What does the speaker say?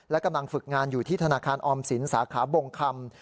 และกำลังฝึกงานอยู่ที่ธนาคารออมสินสาขาบงคำ